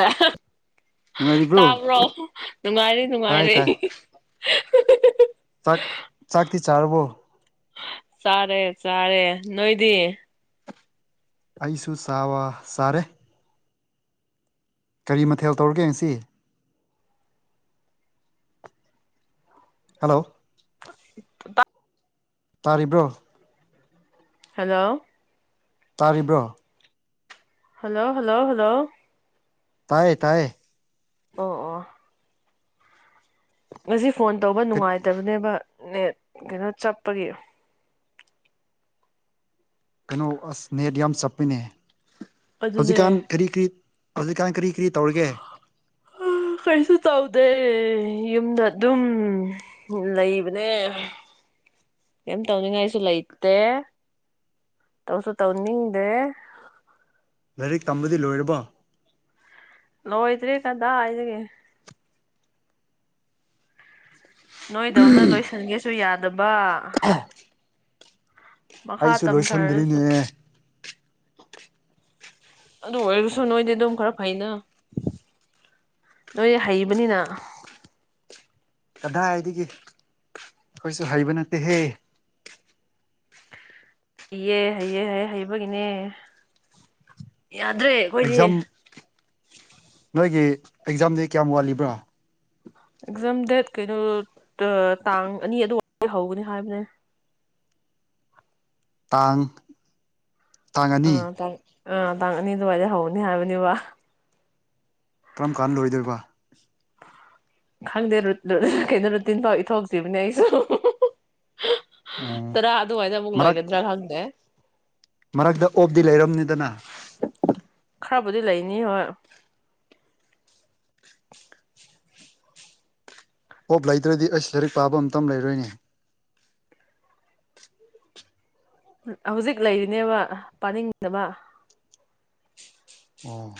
ꯑꯥꯍ ꯅꯨꯡꯉꯥꯏꯔꯤꯕ꯭ꯔꯣ ꯇꯥꯕ꯭ꯔꯣ ꯅꯨꯡꯉꯥꯏꯔꯤ ꯇꯥꯏ ꯅꯨꯡꯉꯥꯏꯔꯤ ꯇꯥꯏ ꯏꯍꯤ ꯍꯤ ꯍꯍ ꯆꯥꯛ ꯆꯥꯛꯇꯤ ꯆꯥꯔꯕꯣ ꯆꯥꯔꯦ ꯆꯥꯔꯦ ꯅꯣꯏꯗꯤ ꯑꯩꯁꯨ ꯆꯥꯕ ꯆꯥꯔꯦ ꯀꯔꯤ ꯃꯊꯦꯜ ꯇꯧꯔꯒꯦ ꯉꯁꯤ ꯍꯜꯂꯣ ꯂꯧꯁꯤꯟꯕ ꯉꯝꯗꯕ ꯇꯥꯔꯤꯕ꯭ꯔꯣ ꯍꯜꯂꯣ ꯇꯥꯔꯤꯕ꯭ꯔꯣ ꯍꯜꯂꯣ ꯍꯜꯂꯣ ꯍꯜꯂꯣ ꯇꯥꯏꯌꯦ ꯇꯥꯏꯌꯦ ꯑꯣ ꯑꯣ ꯉꯁꯤ ꯐꯣꯟ ꯇꯧꯕ ꯅꯨꯡꯉꯥꯏꯇꯕꯅꯦꯕ ꯅꯦꯠ ꯀꯩꯅꯣ ꯆꯞꯄꯒꯤ ꯀꯩꯅꯣ ꯑꯁ ꯅꯦꯠ ꯌꯥꯝ ꯆꯞꯄꯤꯅꯦ ꯑꯗꯨꯅꯦ ꯍꯧꯖꯤꯛꯀꯥꯟ ꯀꯔꯤ ꯀꯔꯤ ꯍꯧꯖꯤꯛꯀꯥꯟ ꯀꯔꯤ ꯀ꯭ꯔꯤ ꯇꯧꯔꯤꯒꯦ ꯍꯥ ꯀꯩꯁꯨ ꯇꯧꯗꯦ ꯌꯨꯝꯗ ꯑꯗꯨꯝ ꯂꯩꯕꯅꯦ ꯀꯩꯝ ꯇꯧꯅꯤꯡꯉꯥꯏꯁꯨ ꯂꯩꯇꯦ ꯇꯧꯁꯨ ꯇꯧꯅꯤꯡꯗꯦ ꯂꯥꯏꯔꯤꯛ ꯇꯝꯕꯗꯤ ꯂꯣꯏꯔꯕꯣ ꯂꯣꯏꯗ꯭ꯔꯤ ꯀꯗꯥꯏꯗꯒꯤ ꯅꯣꯏꯗꯧꯅ ꯂꯣꯏꯁꯟꯒꯦꯁꯨ ꯌꯥ ꯕꯥ ꯑꯩꯁꯨ ꯂꯣꯏꯁꯟꯗ꯭ꯔꯤꯅꯦ ꯑꯗꯨ ꯑꯣꯏꯔꯁꯨ ꯅꯣꯏꯗꯤ ꯑꯗꯨꯝ ꯈꯔ ꯐꯩꯅ ꯅꯣꯏꯗꯤ ꯍꯩꯕꯅꯤꯅ ꯀꯗꯥꯏꯗꯒꯤ ꯑꯩꯈꯣꯏꯁꯨ ꯍꯩꯕ ꯅꯠꯇꯦꯍꯦ ꯍꯩꯌꯦ ꯍꯩꯌꯦ ꯍꯩ ꯍꯩꯕꯒꯤꯅꯦ ꯌꯥꯗ꯭ꯔꯦ ꯑꯩꯈꯣꯏꯗꯤ ꯑꯦꯛꯖꯥꯝ ꯅꯣꯏꯒꯤ ꯑꯦꯛꯖꯥꯝꯗꯤ ꯀꯌꯥꯝ ꯋꯥꯠꯂꯤꯕ꯭ꯔꯥ ꯑꯦꯛꯖꯥꯝ ꯗꯦꯠ ꯀꯩꯅꯣ ꯇ ꯇꯥꯡ ꯑꯅꯤ ꯑꯗꯨꯋꯥꯏꯗꯩ ꯍꯧꯒꯅꯤ ꯍꯥꯏꯕꯅꯦ ꯇꯥꯡ ꯇꯥꯡ ꯑꯅꯤ ꯑꯥ ꯇꯥꯡ ꯑꯥ ꯇꯥꯡ ꯑꯅꯤ ꯑꯗꯨꯋꯥꯏꯗ ꯍꯧꯅꯤ ꯍꯥꯏꯕꯅꯤꯕ ꯀꯔꯝ ꯀꯥꯟꯗ ꯂꯣꯏꯗꯣꯏꯕ ꯈꯪꯗꯦ ꯀꯩꯅꯣ ꯔꯨꯇꯤꯟ ꯐꯥꯎ ꯏꯊꯣꯛꯇ꯭ꯔꯤꯕꯅꯦ ꯑꯩꯁꯨ ꯑꯣ ꯇꯔ ꯑꯗꯨꯃꯥꯏꯅ ꯑꯃꯨꯛ ꯃꯔꯛ ꯂꯣꯏꯒꯗ꯭ꯔꯥ ꯈꯪꯗꯦ ꯃꯔꯛꯇ ꯑꯣꯞꯇꯤ ꯂꯩꯔꯝꯅꯤꯗꯅ ꯈꯔꯕꯨꯗꯤ ꯂꯩꯅꯤ ꯍꯣꯏ [inaudible] ꯑꯣꯞ ꯂꯩꯇ꯭ꯔꯗꯤ ꯑꯩꯁ ꯂꯥꯏꯔꯤꯛ ꯄꯥꯕ ꯑꯃꯇ ꯂꯩꯔꯣꯏꯅꯦ ꯍꯧꯖꯤꯛ ꯂꯩꯔꯤꯅꯦꯕ ꯄꯥꯅꯤꯡꯗꯕ ꯑꯣ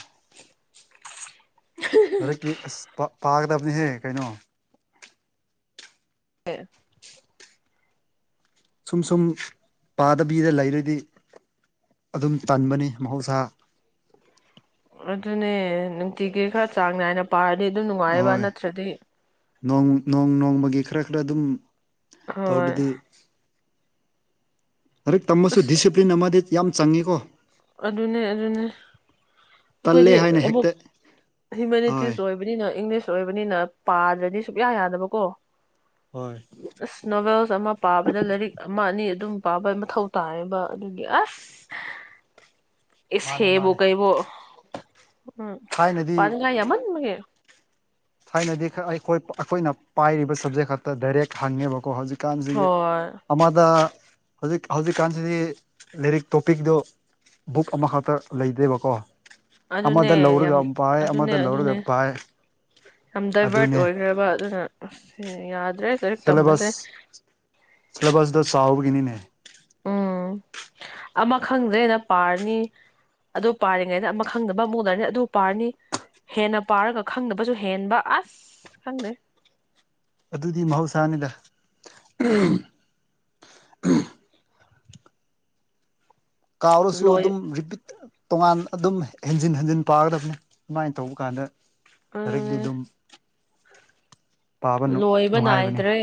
ꯔꯀꯀꯤ ꯑꯁꯄꯥ ꯄꯥꯒꯗꯕꯅꯤꯍꯦ ꯀꯩꯅꯣ ꯍ ꯁꯨꯝ ꯁꯨꯝ ꯄꯥꯗꯕꯤꯗ ꯂꯩꯔꯗꯤ ꯑꯗꯨꯝ ꯇꯟꯕꯅꯤ ꯃꯍꯧꯁꯥ ꯑꯗꯨꯗꯅꯦ ꯐꯇꯤꯒꯤꯦ ꯈꯔ ꯆꯥꯡ ꯅꯥꯏꯅ ꯄꯥꯔꯗꯤ ꯑꯗꯨꯝ ꯅꯨꯡꯉꯥꯏꯑꯕ ꯍꯣꯏ ꯅꯠꯇ꯭ꯔꯗꯤ ꯅꯣꯡ ꯅꯣꯡꯃꯒꯤ ꯈꯔ ꯈꯔ ꯑꯗꯨꯝ ꯇꯧ ꯍꯣꯏ ꯑꯗꯨꯗꯤ ꯑꯔ ꯇ ꯃꯁꯁꯨ ꯑꯁ ꯗꯤꯁꯁꯤꯄ꯭ꯂꯂꯤꯟ ꯑꯃꯗꯦ ꯌꯥꯝ ꯆꯪꯉꯤꯀꯣ ꯑꯗꯨꯅꯦ ꯑꯗꯨꯅꯦ ꯇꯜꯂꯦ ꯑꯩꯈꯣꯏꯗꯤ ꯍꯥꯏꯅ ꯑꯃꯨꯛ ꯍꯦꯛꯇ ꯍꯣꯏ ꯍ꯭ꯌꯨꯃꯅꯤꯇꯤꯁ ꯑꯣꯏꯕꯅꯤꯅ ꯏꯪꯂꯤꯁ ꯑꯣꯏꯕꯅꯤꯅ ꯄꯥꯗ꯭ꯔꯗꯤ ꯁꯨꯛꯌꯥ ꯌꯥꯗꯕꯀꯣ ꯍꯣꯏ ꯑꯁ ꯅꯣꯚꯦꯜꯁ ꯑꯃ ꯄꯥꯕꯗ ꯂꯥꯏꯔꯤꯛ ꯑꯃ ꯑꯅꯤ ꯑꯗꯨꯝ ꯄꯥꯕ ꯃꯊꯧ ꯇꯥꯌꯦꯕ ꯑꯗꯨꯒꯤ ꯑꯁ ꯏꯁ ꯃꯥꯅꯦ ꯍꯦꯕꯣ ꯃꯥꯅꯦ ꯀꯩꯕꯣ ꯎꯝ ꯊꯥꯏꯅꯗꯤ ꯄꯗ ꯉꯥꯏ ꯌꯥꯃꯟ ꯃꯒ ꯊꯥꯏꯅꯗꯤ ꯑꯩꯈꯣꯏ ꯑꯩꯈꯣꯏꯅ ꯄꯥꯏꯔꯤꯕ ꯁꯕꯖꯦꯛ ꯈꯛꯇ ꯗꯥꯏꯔꯦꯛ ꯍꯪꯉꯦꯕꯀꯣ ꯍꯧꯖꯤꯛ ꯀꯥꯟꯁꯤ ꯍꯣꯏ ꯑꯃꯗ ꯍꯧꯖꯤꯛ ꯍꯧꯖꯤꯛꯀꯥꯟꯁꯤꯗꯤ ꯂꯥꯏꯔꯤꯛ ꯇꯣꯄꯤꯛꯇꯣ ꯕꯨꯛ ꯑꯃꯈꯛꯇ ꯂꯩꯇꯦꯕꯀꯣ ꯑꯗꯨꯅꯦ ꯑꯃꯗ ꯌꯥꯝ ꯂꯧꯔꯒ ꯄꯥꯏ ꯑꯗꯨꯅꯦ ꯑꯃꯗ ꯑꯗꯨꯅꯦ ꯂꯧꯔꯒ ꯄꯥꯏ ꯌꯥꯝ ꯗꯥꯏꯚꯔꯠ ꯑꯗꯨꯅꯦ ꯑꯣꯏꯈ꯭ꯔꯕ ꯑꯗꯨꯅ ꯎ ꯌꯥꯗ ꯇꯔꯥ ꯇꯔꯨꯛ ꯇꯝꯕꯁꯦ ꯁꯤꯂꯕꯁꯗ ꯁꯥꯥꯎꯕꯒꯤꯅꯤꯅꯦ ꯎꯝ ꯑꯃ ꯈꯪꯗ꯭ꯔꯦꯅ ꯄꯥꯔꯅꯤ ꯑꯗꯨ ꯄꯥꯔꯤꯉꯩꯗ ꯑꯃ ꯈꯪꯗꯕ ꯑꯃꯛ ꯎꯅꯔꯅꯤ ꯑꯗꯨ ꯄꯥꯔꯅꯤ ꯍꯦꯟꯅ ꯄꯥꯔꯒ ꯈꯪꯗꯕꯁꯨ ꯍꯦꯟꯕ ꯑꯁ ꯈꯪꯗ꯭ꯔꯦ ꯑꯗꯨꯗꯤ ꯃꯍꯧꯁꯥꯅꯤꯗ ꯀꯥꯎꯔꯁꯨ ꯂꯣꯏ ꯑꯗꯨꯝ ꯔꯤꯄꯤꯠ ꯇꯣꯉꯥꯟ ꯑꯗꯨꯝ ꯍꯦꯟꯖꯤꯟ ꯍꯟꯖꯤꯟ ꯄꯥꯒꯗꯕꯅꯤ ꯑꯗꯨꯃꯥꯏꯅ ꯇꯧꯕ ꯀꯥꯟꯗ ꯇꯔꯠꯗꯤ ꯑꯗꯨꯅꯦ ꯑꯗꯨꯝ ꯄꯥꯕ ꯂꯣꯏꯕ ꯅꯨꯡꯉꯥꯏꯕꯅꯤ ꯅꯥꯏꯗ꯭ꯔꯦ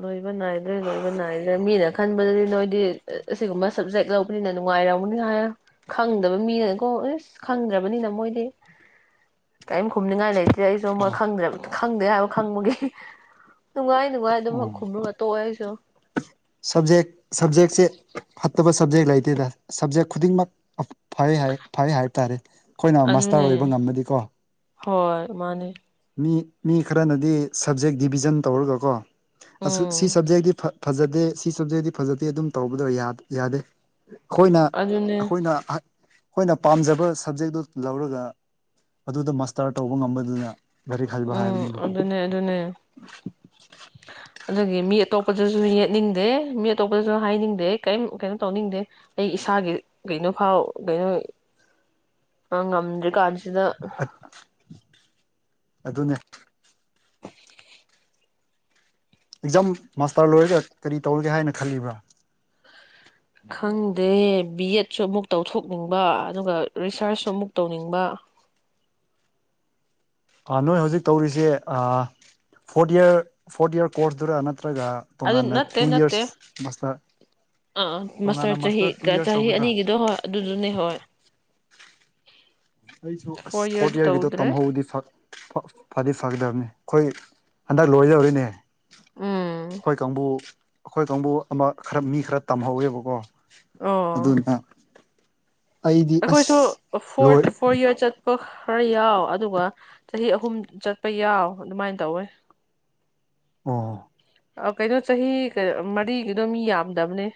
ꯂꯣꯏꯕ ꯅꯥꯏꯗ꯭ꯔꯦ ꯂꯣꯏꯕ ꯅꯥꯏꯗ꯭ꯔꯦ ꯃꯤꯅ ꯈꯟꯕꯗꯗꯤ ꯅꯣꯏꯗꯤ ꯑꯁꯤꯒꯨꯝꯕ ꯁꯕꯖꯦꯛ ꯂꯧꯕꯅꯤꯅ ꯅꯨꯡꯉꯥꯏꯔꯝꯅꯤ ꯍꯥꯏ ꯈꯪꯗꯕ ꯃꯤꯅꯀꯣ ꯑꯦꯁ ꯈꯪꯗ꯭ꯔꯕꯅꯤꯅ ꯃꯣꯏꯗꯤ ꯀꯔꯤꯝ ꯈꯨꯝꯅꯤꯡꯉꯥꯏ ꯂꯩꯇꯦ ꯁꯤꯗ ꯑꯩꯁꯨꯨꯣꯏ ꯈꯪꯗ꯭ꯔꯕꯅꯦ ꯈꯪꯗꯦ ꯍꯥꯏꯕ ꯈꯪꯕꯒꯤ ꯅꯨꯡꯉꯥꯏ ꯀ ꯅꯨꯡꯉꯥꯏ ꯑꯗꯨꯃꯛ ꯎꯝ ꯈꯨꯝꯅꯨ ꯉ ꯇ ꯑꯣꯏꯁꯨ ꯁꯕꯖꯦꯛ ꯁꯕꯖꯦꯛꯁꯦ ꯐꯠꯇꯕ ꯁꯕꯖꯦꯛ ꯂꯩꯇꯦꯗ ꯁꯕꯖꯦꯛ ꯈꯨꯗꯤꯡꯃꯛ ꯐꯩ ꯍꯥꯏ ꯐꯩ ꯍꯥꯏꯕ ꯇꯥꯔꯦ ꯑꯩꯈꯣꯏꯅ ꯃꯥꯁꯇꯔ ꯑꯣꯏꯕ ꯑꯗꯨꯅꯦ ꯉꯝꯃꯗꯤꯀꯣ ꯍꯣꯏ ꯃꯥꯅꯦ ꯃꯤ ꯃꯤ ꯈꯔꯅꯗꯤ ꯁꯞꯖꯦꯛ ꯗꯤꯕꯤꯖꯟ ꯇꯧꯔꯒꯀꯣ ꯁꯤ ꯎꯝ ꯁꯕꯖꯦꯛꯛꯇꯒꯤ ꯐ ꯐꯖꯗꯦ ꯁꯤ ꯆꯞꯖꯦꯗꯤ ꯐꯖꯗꯦ ꯑꯗꯨꯝ ꯇꯧꯕꯗꯣ ꯌꯥꯗꯦ ꯑꯩꯈꯣꯏꯅ ꯑꯗꯨꯅꯦ ꯑꯩꯈꯣꯏꯅ ꯑꯩꯈꯣꯏꯅ ꯄꯥꯝꯖꯕ ꯁꯕꯖꯦꯛꯇꯨ ꯂꯧꯔꯒ ꯑꯗꯨꯗ ꯃꯥꯁꯇꯔ ꯇꯧꯕ ꯉꯝꯕꯗꯨꯅ ꯂꯥꯏꯔꯤꯛ ꯍꯩꯕ ꯎꯝ ꯍꯥꯏꯕꯅꯤꯕꯀꯣ ꯑꯗꯨꯅꯦ ꯑꯗꯨꯅꯦ ꯑꯗꯨꯗꯒꯤ ꯃꯤ ꯑꯇꯣꯞꯄꯗꯁꯨ ꯌꯦꯠꯅꯤꯡꯗꯦ ꯃꯤ ꯑꯇꯣꯞꯄꯗꯁꯨ ꯍꯥꯏꯅꯤꯡꯗꯦ ꯀꯔꯤꯝ ꯀꯩꯅꯣ ꯇꯧꯅꯤꯡꯗꯦ ꯑꯩ ꯏꯁꯥꯒꯤ ꯀꯩꯅꯣ ꯐꯥꯎ ꯀꯩꯅꯣ ꯉꯝꯗ꯭ꯔꯤ ꯀꯥꯟ ꯁꯤꯗ ꯑꯗꯨꯅꯦ ꯑꯦꯛꯖꯥꯝ ꯃꯥꯁꯇꯔ ꯂꯣꯏꯔꯒ ꯀꯔꯤ ꯇꯧꯔꯒꯦ ꯍꯥꯏꯅ ꯈꯜꯂꯤꯕ꯭ꯔꯥ ꯈꯪꯗꯦ ꯕꯤ ꯑꯦꯠꯁꯨ ꯑꯃꯨꯛ ꯇꯧꯊꯣꯛꯅꯤꯡꯕ ꯑꯗꯨꯒ ꯔꯤꯁꯥꯔꯁꯁꯨ ꯑꯃꯨꯛ ꯇꯧꯅꯤꯡꯕ ꯅꯣꯏ ꯍꯧꯖꯤꯛ ꯇꯧꯔꯤꯁꯦ ꯐꯣꯔꯠ ꯏꯌꯥꯔ ꯐꯣꯔꯠ ꯏꯌꯥꯔ ꯀꯣꯔꯁꯇꯔ ꯅ ꯑꯗꯨ ꯅꯠꯇꯦ ꯅꯠꯇꯦ ꯃꯥꯁꯇꯔ ꯑꯥ ꯇꯣꯉꯥꯟꯅ ꯃꯁꯇꯔ ꯆꯍꯤ ꯃꯥꯁꯇꯔ ꯇꯨ ꯌꯔꯁ ꯆꯍꯤ ꯇꯧꯒꯗ꯭ꯔꯥ ꯑꯅꯤꯒꯤꯗꯣ ꯍꯣꯏ ꯑꯗꯨꯗꯨꯅꯦ ꯍꯣꯏ ꯑꯩꯁꯨ ꯑꯁ ꯐꯣꯔ ꯐꯣꯔꯠ ꯌꯔ ꯏꯌꯥꯔꯒꯤꯗꯣ ꯇꯧꯗ꯭ꯔꯦ ꯇꯝꯍꯧꯗꯤ ꯐꯗꯤ ꯐꯒꯗꯕꯅꯤ ꯑꯩꯈꯣꯏ ꯍꯟꯗꯛ ꯂꯣꯏꯗꯧꯔꯤꯅꯦ ꯎꯝ ꯍꯣꯏ ꯀꯥꯡꯕꯨ ꯑꯩꯈꯣꯏ ꯀꯥꯡꯕꯨ ꯑꯃ ꯈꯔ ꯃꯤ ꯈꯔ ꯇꯝꯍꯧꯋꯦꯕꯀꯣ ꯑꯣ ꯑꯗꯨꯅ ꯑꯩꯗꯤ ꯑꯩꯈꯣꯏꯁꯨ ꯑꯁ ꯂꯣꯏ ꯐꯣꯔ ꯐꯣꯔ ꯌꯔꯁ ꯆꯠ ꯑꯣ ꯈꯔ ꯌꯥꯎ ꯑꯗꯨꯒ ꯆꯍꯤ ꯑꯍꯨꯝ ꯆꯠꯄ ꯌꯥꯎ ꯑꯗꯨꯃꯥꯏꯅ ꯇꯧꯋꯦ ꯑ ꯑ ꯀꯩꯅꯣ ꯆꯍꯤ ꯃꯔꯤꯒꯤꯗꯣ ꯃꯤ ꯌꯥꯝꯗꯕꯅꯦ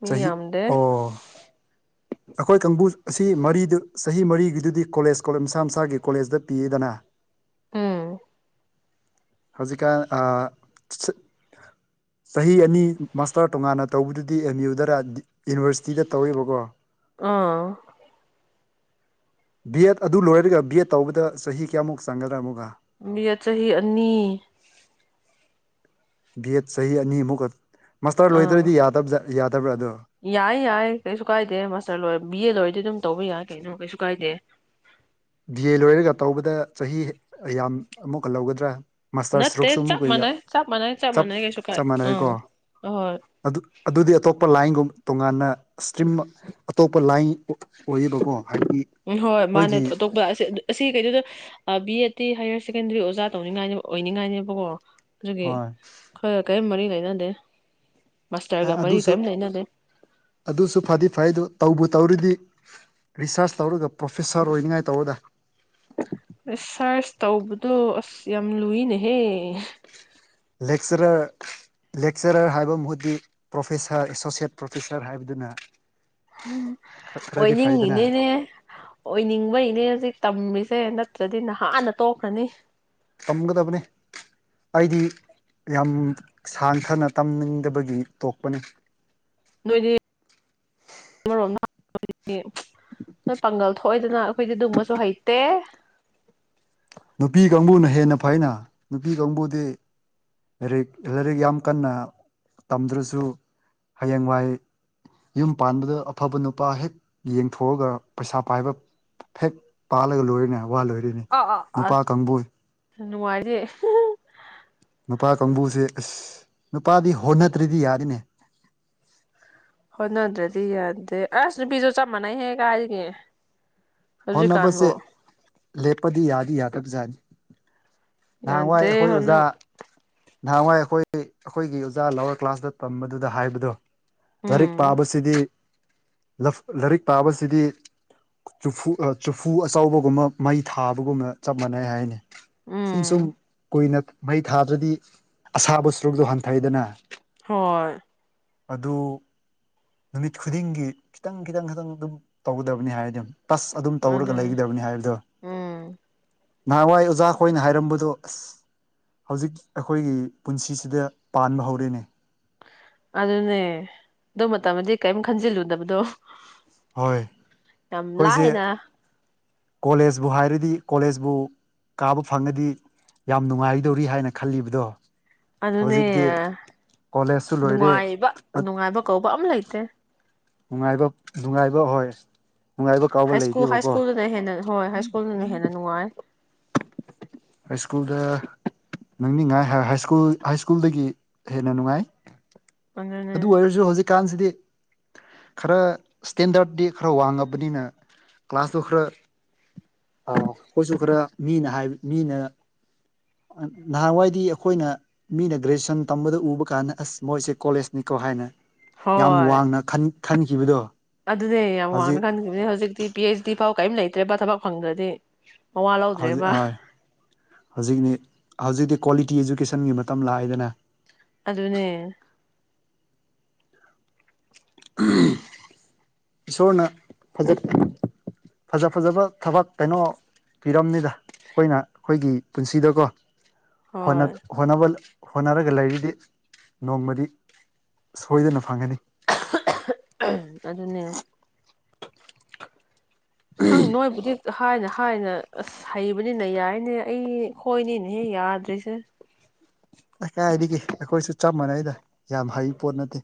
ꯃꯤ ꯆꯍꯤ ꯌꯥꯝꯗꯦ ꯑꯣ ꯑꯩꯈꯣꯏ ꯀꯥꯡꯕꯨ ꯑꯁꯤ ꯃꯔꯤꯗꯨ ꯆꯍꯤ ꯃꯔꯤꯒꯤꯗꯨꯗꯤ ꯀꯣꯂꯦꯖꯣ ꯃꯁꯥ ꯃꯁꯥꯒꯤ ꯀꯣꯂꯦꯖꯇ ꯄꯤꯌꯦꯗꯅ ꯎꯝ ꯍꯧꯖꯤꯛꯀꯥꯟ ꯆꯍꯤ ꯑꯅꯤ ꯃꯥꯁꯇꯔ ꯇꯣꯉꯥꯟꯅ ꯇꯧꯕꯗꯨꯗꯤ ꯑꯦꯝ ꯌꯨꯗꯔ ꯌꯨꯅꯤꯚꯔꯁꯤꯇꯤꯗ ꯇꯧꯋꯦꯕꯀꯣ ꯑꯥ ꯕꯤ ꯑꯦꯗ ꯑꯗꯨ ꯂꯣꯏꯔꯒ ꯕꯤ ꯑꯦꯠ ꯇꯧꯕꯗ ꯆꯍꯤ ꯀꯌꯥꯃꯨꯛ ꯆꯪꯒꯗ꯭ꯔꯥ ꯑꯃꯨꯛꯒ ꯕꯤ ꯆꯍꯤ ꯑꯅꯤ ꯚꯠ ꯆꯍꯤ ꯑꯅꯤꯃꯨꯛ ꯃꯁꯇꯔ ꯑꯥ ꯂꯣꯏꯗ꯭ꯔꯗꯤ ꯌꯥꯗꯕ ꯌꯥꯗ ꯌꯥꯏ ꯌꯥꯏ ꯀꯩꯁꯨ ꯀꯥꯏꯗꯦ ꯃꯥꯁꯇꯔ ꯂꯣꯏꯔ ꯕꯤ ꯑꯦ ꯂꯣꯏꯔꯗꯤ ꯑꯗꯨꯝ ꯇꯧꯕ ꯌꯥꯏ ꯀꯩꯅꯣ ꯀꯩꯁꯨ ꯀꯥꯏꯗꯦ ꯕꯤ ꯑꯦ ꯂꯣꯏꯔꯒ ꯇꯧꯕꯗ ꯆꯍꯤ ꯌꯥꯝ ꯑꯃꯨꯛꯀ ꯂꯧꯒꯗ꯭ꯔꯥ ꯃꯥꯁꯇꯔ ꯅꯠꯇꯦ ꯁꯔꯨꯛꯁꯨ ꯆꯞ ꯑꯃꯨꯛꯞ ꯃꯥꯟꯅꯩ ꯆꯞ ꯃꯥꯟꯅꯩ ꯆꯞ ꯃꯥꯟꯅꯩ ꯀꯩꯁꯨ ꯀꯥꯏ ꯃꯥꯟꯅꯩꯀꯣ ꯑꯥ ꯑꯍꯣꯏ ꯑꯗꯨ ꯑꯗꯨꯗꯤ ꯑꯇꯣꯞꯄ ꯂꯥꯏꯟꯒꯨꯝ ꯇꯣꯉꯥꯟꯅ ꯏꯁꯇ꯭ꯔꯤꯝ ꯑꯇꯣꯞꯄ ꯂꯥꯏꯟ ꯑꯣꯏꯌꯦꯕꯀꯣ ꯍꯥꯏꯕꯗꯤ ꯎꯝ ꯍꯣꯏ ꯃꯥꯅꯦ ꯑꯩꯈꯣꯏꯒꯤ ꯑꯇꯣꯞꯄ ꯑꯁꯤ ꯀꯩꯩꯅꯣꯗ ꯕꯤ ꯑꯦꯗ ꯇꯤ ꯍꯥꯌꯌꯔ ꯁꯦꯀꯦꯟꯗꯔꯤ ꯑꯣꯖꯥ ꯇꯧꯅꯤꯡꯉꯥꯏꯅꯦꯕ ꯑꯣꯏꯅꯤꯡꯉꯥꯏꯅꯦꯕꯀꯣ ꯑꯗꯨꯦ ꯍꯣꯏ ꯈ ꯀꯩ ꯃꯔꯤ ꯐꯩꯅꯗ ꯑ ꯑꯗꯨꯁꯨ ꯑꯗꯨꯁꯨ ꯐꯗꯤ ꯐꯩ ꯑꯗꯨ ꯇꯧꯕ ꯇꯧꯔꯤꯗꯤ ꯔꯤꯁꯥꯔꯁ ꯇꯧꯔꯒ ꯄ꯭ꯔꯣꯐꯦꯁꯔ ꯑꯣꯏꯅꯤꯡꯉꯥꯏ ꯇꯧꯕꯗ ꯁꯥꯔꯁ ꯇꯧꯕꯗꯣ ꯑꯁ ꯌꯥꯝ ꯂꯨꯏꯅꯦꯍꯦ ꯂꯦꯛꯆꯔꯔ ꯂꯦꯛꯆꯔꯔ ꯍꯥꯏꯕ ꯃꯍꯨꯗꯤ ꯄ꯭ꯔꯣꯐꯦꯁꯥꯔ ꯑꯦꯁꯣꯁꯤꯌꯦꯠ ꯄ꯭ꯔꯣꯐꯦꯁꯥꯔ ꯍꯥꯏꯕꯗꯨꯅ ꯈꯔꯗꯤ ꯐꯩꯗꯅ ꯑꯣꯏꯅꯤꯡꯉꯤꯅꯦꯅꯦ ꯑꯣꯏꯅꯤꯡꯕꯩꯅꯦ ꯍꯧꯖꯤꯛ ꯇꯝꯔꯤꯁꯦ ꯠꯇ꯭ꯔꯗꯤ ꯅꯍꯥꯟꯅ ꯇꯣꯛꯈ꯭ꯔꯅꯤ ꯇꯝꯒꯗꯕꯅꯤ ꯑꯩꯗꯤ ꯌꯥꯝ ꯁꯥꯡꯊꯅ ꯇꯝꯅꯤꯡꯗꯕꯒꯤ ꯇꯣꯛꯄꯅꯤ ꯅꯣꯏꯗꯤ ꯑꯃꯔꯣꯝ ꯅ ꯄꯥꯡꯒꯜ ꯊꯣꯛꯑꯏꯗꯅ ꯑꯩꯈꯣꯏꯗꯤ ꯨꯝꯕꯁꯨ ꯍꯩꯇꯦ ꯅꯨꯄꯤ ꯀꯥꯡꯕꯨꯅ ꯍꯦꯟꯅ ꯐꯅ ꯅꯨꯄꯤ ꯀꯥꯡꯕꯨꯗꯤ ꯂꯥꯏꯔꯤꯛ ꯂꯥꯏꯔꯤꯛ ꯌꯥꯝ ꯀꯟꯅ ꯇꯝꯗ꯭ꯔꯁꯨ ꯍꯌꯦꯡꯋꯥꯏ ꯌꯨꯝ ꯄꯥꯟꯕꯗ ꯑꯐꯕ ꯅꯨꯄꯥ ꯍꯦꯛ ꯌꯦꯡꯊꯣꯛꯑꯒ ꯄꯩꯁꯥ ꯄꯥꯏꯕ ꯍꯦꯛ ꯄꯥꯜꯂꯒ ꯂꯣꯏꯔꯤꯅꯦꯕ ꯋꯥꯜ ꯑꯣꯏꯔꯤꯅꯤ ꯅꯨꯄꯥ ꯀꯥꯡꯕꯨ ꯅꯨꯡꯉꯥꯏꯖꯦ ꯅꯨꯄꯥ ꯀꯥꯡꯕꯨꯁꯦ ꯑꯁ ꯅꯨꯄꯥꯗꯤ ꯍꯣꯠꯅꯗ꯭ꯔꯤꯗꯤ ꯌꯥꯔꯤꯅꯦ ꯍ ꯅꯗ꯭ꯔꯗꯤ ꯌꯥꯗꯦ ꯑꯁꯅ ꯄꯤꯖꯣ ꯆꯃꯅ ꯍꯦ ꯀꯒꯦ ꯍꯧꯖꯤꯛ ꯀꯥꯟꯕꯣ ꯂꯦꯄꯗꯤ ꯌꯥꯗ ꯌꯥꯗꯕꯖꯥꯅꯤ ꯅꯍꯥꯟꯋꯥꯏ ꯌꯥꯗꯦ ꯑꯩꯈꯣꯏ ꯍꯣꯠꯅ ꯑꯣꯖꯥ ꯅꯍꯥꯟꯋꯥꯏ ꯑꯩꯈꯣꯏ ꯑꯩꯈꯣꯏꯒꯤ ꯑꯣꯖꯥ ꯂꯋꯥꯔ ꯀ꯭ꯂꯥꯁꯇ ꯇꯝꯕꯗꯨꯗ ꯍꯥꯏꯕꯗꯣ ꯂꯥꯏꯔꯤꯛ ꯎꯝ ꯄꯥꯕꯁꯤꯗꯤ ꯂꯥꯏꯔꯤꯛ ꯄꯥꯕꯁꯤꯗꯤ ꯆꯨꯐꯨ ꯆꯨꯐꯨ ꯑꯆꯧꯕꯕꯒꯨꯝꯕ ꯃꯩ ꯊꯥꯕꯒꯨꯝꯅ ꯆꯞ ꯃꯥꯟꯅꯩ ꯍꯥꯏꯅꯤ ꯁꯨꯝ ꯎꯝ ꯁꯨꯝ ꯀꯣꯏꯅ ꯃꯩ ꯊꯥꯗ꯭ꯔꯗꯤ ꯑꯁꯥꯕꯨ ꯁꯨꯔꯣꯛꯁꯨ ꯍꯟꯊꯩꯗꯅ ꯍꯣꯏ ꯑꯗꯨ ꯅꯨꯃꯤꯠ ꯈꯨꯗꯤꯡꯒꯤ ꯈꯤꯇꯪ ꯈꯤꯇꯪ ꯈꯤꯇꯪ ꯑꯗꯨꯝ ꯇꯧꯒꯗꯕꯅꯤ ꯍꯥꯏꯗꯤꯝ ꯇꯁ ꯑꯗꯨꯝ ꯇꯧꯔꯒ ꯑꯗꯨꯅꯦ ꯂꯩꯒꯗꯕꯅꯤ ꯍꯥꯏꯕꯗꯣ ꯎꯝ ꯅꯍꯥꯟꯋꯥꯏ ꯑꯣꯖꯥꯈꯣꯏꯅ ꯍꯥꯏꯔꯝꯕꯗꯣ ꯑꯁ ꯍꯧꯖꯤꯛ ꯑꯩꯈꯣꯏꯒꯤ ꯄꯨꯟꯁꯤꯁꯤꯗ ꯄꯥꯟꯕ ꯍꯧꯔꯦꯅꯦ ꯑꯗꯨꯅꯦ ꯑꯗꯨ ꯃꯇꯝꯗꯤ ꯀꯔꯤꯝ ꯈꯟꯖꯤꯜꯂꯨꯗꯕꯗꯣ ꯍꯣꯏ ꯌꯥꯝ ꯂꯑꯗ ꯀꯣꯂꯦꯖꯄꯨ ꯍꯥꯏꯔꯗꯤ ꯀꯣꯂꯦꯖꯄꯨ ꯀꯥꯕ ꯐꯪꯉꯗꯤ ꯌꯥꯝ ꯅꯨꯡꯉꯥꯏꯗꯧꯔꯤ ꯍꯥꯏꯅ ꯈꯜꯂꯤꯕꯗꯣ ꯑꯗꯨꯅꯦ ꯍꯧꯖꯤꯛꯇꯤ ꯀꯣꯂꯦꯖꯁꯨ ꯂꯣꯏꯔꯦ ꯅꯨꯡꯉꯥꯏꯕ ꯅꯨꯡꯉꯥꯏꯕ ꯀꯧꯕ ꯑꯃ ꯂꯩꯇꯦ ꯅꯨꯡꯉꯥꯏꯕ ꯅꯨꯡꯉꯥꯏꯕ ꯍꯣꯏ ꯅꯨꯡꯉꯥꯏꯕ ꯀꯥꯎꯕ ꯍꯥꯏ ꯁ꯭ꯀꯨꯜ ꯍꯥꯏ ꯂꯩꯇꯦꯕꯀꯣ ꯁ꯭ꯀꯨꯜꯗꯅ ꯍꯦꯟꯅ ꯍꯣꯏ ꯍꯥꯏ ꯁ꯭ꯀꯨꯜꯗꯅ ꯍꯦꯟꯅ ꯅꯨꯡꯉꯥꯏ ꯍꯥꯏ ꯁ꯭ꯀꯨꯜꯗ ꯅꯪꯅꯤꯡꯉꯥꯏ ꯁꯀꯨ ꯍꯥꯏ ꯁ꯭ꯀꯨꯜꯗꯒꯤ ꯍꯦꯟꯅ ꯅꯨꯡꯉꯥꯏ ꯑꯗꯨꯅꯦ ꯑꯗꯨ ꯑꯣꯏꯔꯁꯨ ꯍꯧꯖꯤꯛꯀꯥꯟꯁꯤꯗꯤ ꯈꯔ ꯏꯁꯇꯦꯟꯗꯔꯤ ꯈꯔ ꯋꯥꯡꯉꯕꯅꯤꯅ ꯀ꯭ꯂꯥꯁꯇꯣ ꯈꯔ ꯑꯩꯈꯣꯏꯁꯨ ꯈꯔ ꯃꯤꯅꯕ ꯃꯤꯅ ꯅꯍꯥꯟꯋꯥꯏꯗꯤ ꯑꯩꯈꯣꯏꯅ ꯃꯤꯅ ꯒ꯭ꯔꯦꯖꯨꯑꯦꯁꯟ ꯇꯝꯕꯗ ꯎꯕ ꯀꯥꯟꯗ ꯑꯁ ꯃꯣꯏꯁꯦ ꯀꯣꯂꯦꯖꯅꯤꯀꯣ ꯍꯥꯏꯅ ꯌꯥꯝ ꯍꯣꯏ ꯋꯥꯡꯅ ꯈꯟ ꯈꯟꯈꯤꯕꯗꯣ ꯑꯗꯨꯅꯦ ꯌꯥꯝ ꯋꯥꯡꯅ ꯍꯧꯖꯤꯛ ꯈꯟꯈꯤꯕꯅꯦ ꯍꯧꯖꯤꯛꯇꯤ ꯄꯤ ꯑꯩꯆ ꯗꯤ ꯐꯥꯎ ꯀꯔꯤꯝ ꯂꯩꯇ꯭ꯔꯕ ꯊꯕꯛ ꯐꯪꯒꯗꯤ ꯍꯧꯖꯤꯛ ꯍꯧꯖꯤꯛꯅꯤ ꯍꯧꯖꯤꯛꯤ ꯀ꯭ꯋꯥꯂꯤꯇꯤ ꯏꯖꯨꯀꯦꯁꯟꯒꯤ ꯃꯇꯝ ꯂꯥꯛꯑꯦꯗꯅ ꯑꯗꯨ ꯑꯗꯨꯅꯦ ꯏꯁꯣꯔꯅ ꯐꯖ ꯐꯖ ꯐꯖꯕ ꯊꯕꯛ ꯀꯩꯅꯣ ꯄꯤꯔꯝꯅꯤꯗ ꯑꯩꯈꯣꯏꯅ ꯑꯩꯈꯣꯏꯒꯤ ꯄꯨꯟꯁꯤꯗꯀꯣ ꯍꯅ ꯍꯣꯏ ꯍꯅꯥꯕ ꯍꯣꯠꯅꯔꯒ ꯂꯩꯔꯤꯗꯤ ꯅꯣꯡꯃꯗꯤ ꯁꯣꯏꯗꯅ ꯐꯪꯒꯅꯤ ꯑꯗꯨ ꯑꯗꯨꯅꯦ ꯈꯪ ꯅꯣꯏꯕꯨꯗꯤ ꯍꯥꯏꯅ ꯍꯥꯏꯅ ꯑꯁ ꯍꯩꯕꯅꯤꯅ ꯌꯥꯏꯅꯦ ꯑꯩ ꯈꯣꯏꯅꯤꯅꯦꯍꯦ ꯌꯥꯗ꯭ꯔꯤꯁꯦ ꯀꯥꯏꯒꯦ ꯑꯩꯈꯣꯏꯁꯨ ꯆꯞ ꯃꯥꯟꯅꯩꯗ ꯌꯥꯝ ꯍꯩꯕ ꯄꯣꯠ ꯅꯠꯇꯦ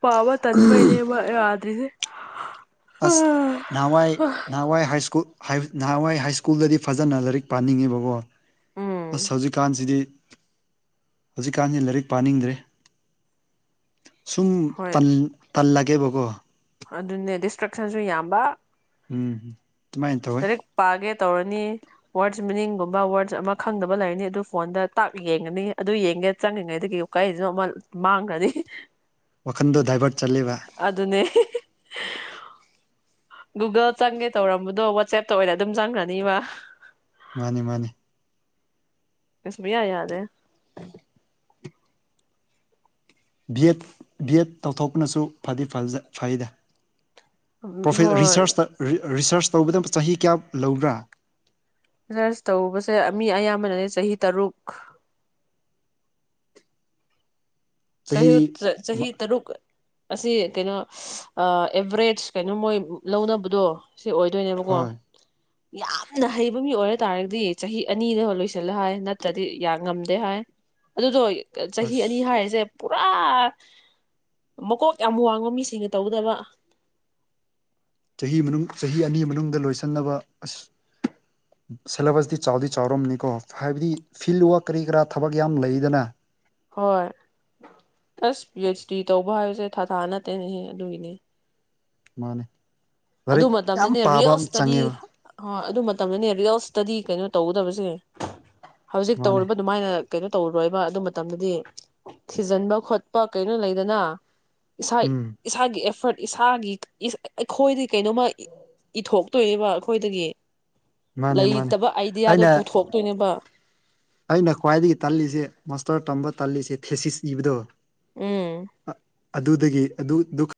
ꯄꯥꯕ ꯇꯟꯃꯅꯦ ꯃꯥ꯭ꯔꯤꯁ ꯑꯁ ꯅꯍꯥꯟꯋꯥꯏ ꯅꯍꯥꯟꯋꯥꯏ ꯍꯥꯏ ꯁ꯭ꯀꯨꯜ ꯅꯍꯥꯟꯋꯥꯏ ꯍꯥꯏ ꯁ꯭ꯀꯨꯜꯗꯗꯤ ꯐꯖꯅ ꯂꯥꯏꯔꯤꯛ ꯄꯥꯅꯤꯡꯉꯦꯕꯀꯣ ꯎꯝ ꯑꯁ ꯍꯧꯖꯤꯛꯀꯥꯟꯁꯤꯗꯤ ꯍꯧꯖꯤꯛꯀꯥꯟꯁꯤ ꯂꯥꯏꯔꯤꯛ ꯄꯥꯅꯤꯡꯗ꯭ꯔꯦ ꯁꯨꯝ ꯍꯣꯏ ꯇꯟ ꯇꯜ ꯂꯒꯦꯕꯒꯣ ꯑꯗꯨꯅꯦ ꯗꯤꯁꯇ꯭ꯔꯛꯁꯟꯁꯨ ꯌꯥꯝꯕ ꯎꯝ ꯑꯗꯨꯃꯥꯏꯅ ꯇ ꯇꯧꯋꯦ ꯄꯒꯦ ꯇꯧꯔꯅꯤ ꯋꯥꯔꯗꯁ ꯃꯤꯅꯤꯡꯒꯨꯝꯕ ꯋꯥꯔꯗꯁ ꯑꯃ ꯈꯪꯗꯕ ꯂꯩꯔꯅꯤ ꯑꯗꯨ ꯐꯣꯟꯗ ꯇꯥꯛ ꯌꯦꯡꯉꯅꯤ ꯑꯗꯨ ꯌꯦꯡꯒꯦ ꯆꯪꯉꯉꯩꯗꯨꯗꯒꯤꯀꯥꯏꯁꯤꯅ ꯑꯃ ꯃꯥꯡꯈ꯭ꯔꯅꯤ ꯋꯥꯈꯟꯗ ꯗꯥꯚꯔꯠ ꯑꯗꯨ ꯑꯗꯨꯅꯦ ꯒꯨꯒꯜ ꯆꯪꯒꯦ ꯇꯧꯔꯝꯕꯗꯣ ꯋꯥꯆꯦꯞꯇ ꯑꯣꯏꯅ ꯑꯗꯨꯝ ꯆꯪꯈ꯭ꯔꯅꯤꯕ ꯃꯥꯅꯤ ꯃꯥꯅꯤ ꯀꯁꯕꯤꯌꯥ ꯌꯥꯗ A B Ed B Ed ꯇꯧꯊꯣꯛꯄꯅꯁꯨ ꯐꯩꯗ ꯭ꯔꯣꯐ ꯍꯣꯏ ꯔꯤꯁꯔꯁꯇ ꯔꯤꯁꯥꯔꯁ ꯇꯧꯕꯗ ꯆꯍꯤ ꯀꯌꯥ ꯂꯧꯕ꯭ꯔꯥ ꯆꯔꯁ ꯇꯧꯕꯁꯦ ꯃꯤ ꯑꯌꯥꯝꯕꯅꯅꯦ ꯆꯍꯤ ꯇꯔꯨꯛ ꯆꯍꯤ ꯆꯍꯤꯍꯤ ꯇꯔꯨꯛ ꯑꯁꯤ ꯀꯩꯅꯣ ꯑꯦꯕꯔꯦꯖ ꯀꯩꯅꯣ ꯃꯣꯏ ꯂꯧꯅꯕꯗꯣ ꯁꯤ ꯑꯣꯏꯗꯣꯏꯅꯦꯕꯀꯣ ꯍꯣꯏ ꯌꯥꯝꯅ ꯍꯩꯕ ꯃꯤ ꯑꯣꯏꯔ ꯇꯥꯔꯒꯗꯤ ꯆꯍꯤ ꯑꯅꯤꯗ ꯂꯣꯏꯁꯤꯜꯂ ꯍꯥꯏ ꯅꯠꯇ꯭ꯔꯗꯤ ꯌꯥ ꯉꯝꯗꯦ ꯍꯥꯏ ꯑꯗꯨꯗꯣ ꯆꯍꯤ ꯑꯁ ꯑꯅꯤ ꯍꯥꯏꯔꯤꯁꯦ ꯄꯨꯔꯥ ꯃꯀꯣꯛ ꯌꯥꯝ ꯋꯥꯡꯕ ꯃꯤꯁꯤꯡꯅ ꯇꯧꯗꯕ ꯆꯍꯤ ꯃꯅꯨꯡ ꯆꯍꯤ ꯑꯅꯤ ꯃꯅꯨꯡꯗ ꯂꯣꯏꯁꯤꯟꯅꯕ ꯑꯁ ꯁꯦꯂꯦꯕꯁꯇꯤ ꯆꯥꯎꯗꯤ ꯆꯥꯎꯔꯝꯅꯤꯀꯣ ꯍꯥꯏꯕꯗꯤ ꯐꯤꯜꯋꯔꯛ ꯀꯔꯤ ꯀꯔꯥ ꯊꯕꯛ ꯌꯥꯝ ꯂꯩꯗꯅ ꯍꯣꯏ ꯑꯁ ꯚꯤ ꯑꯩꯆ ꯗꯤ ꯇꯧꯕ ꯍꯥꯏꯕꯁꯦ ꯊꯥ ꯊꯥ ꯅꯠꯇꯦꯅꯦꯍꯦ ꯑꯗꯨꯒꯤꯅꯦ ꯃꯥꯅꯦ ꯑꯗꯨ ꯂꯥꯏꯔꯤꯛ ꯌꯥꯝ ꯄꯥꯕ ꯑꯃ ꯆꯪꯉꯦꯕ ꯑ ꯑꯗꯨ ꯃꯇꯝꯗꯅꯦ ꯔꯤꯌꯦꯜ ꯏꯁꯇꯗꯤ ꯀꯩꯅꯣ ꯇꯧꯒꯗꯕꯁꯦ ꯍꯧꯖꯤꯛ ꯃꯥꯅꯦ ꯇꯧꯔꯤꯕ ꯑꯗꯨꯃꯥꯏꯅ ꯀꯩꯅꯣ ꯇꯧꯔꯔꯣꯏꯕ ꯑꯗꯨ ꯃꯇꯝꯗꯗꯤ ꯊꯤꯖꯤꯟꯕ ꯈꯣꯠꯄ ꯀꯩꯅꯣ ꯂꯩꯗꯅ ꯏꯁꯥ ꯎꯝ ꯏꯁꯥꯒꯤ ꯑꯦꯐꯔꯠ ꯏꯁꯥꯒꯤ ꯑꯩꯈꯣꯏꯗꯤ ꯀꯩꯅꯣꯃ ꯏꯊꯣꯛꯇꯣꯏꯅꯦꯕ ꯑꯩꯈꯣꯏꯗꯒꯤ ꯃꯥꯅꯦ ꯃꯥꯅꯦ ꯂꯩꯇꯕ ꯑꯥꯏꯗꯤꯌꯥꯗꯣ ꯑꯩꯅ ꯄꯨꯊꯣꯛꯇꯣꯏꯅꯦꯕ ꯑꯩꯅ ꯈ꯭ꯋꯥꯏꯗꯒꯤ ꯇꯜꯂꯤꯁꯦ ꯃꯥꯁꯇꯔ ꯇꯝꯕ ꯇꯥꯜꯂꯤꯁꯦ ꯊꯦꯁꯤꯁ ꯏꯕꯗꯣ ꯎꯝ ꯑꯗꯨꯗꯒꯤ ꯑꯗꯨ ꯗꯨ